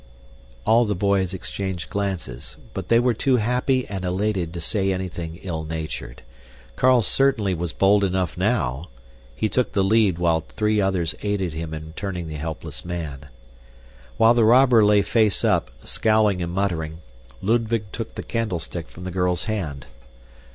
All the boys exchanged glances, but they were too happy and elated to say anything ill natured. Carl certainly was bold enough now. He took the lead while three others aided him in turning the helpless man. While the robber lay faceup, scowling and muttering, Ludwig took the candlestick from the girl's hand.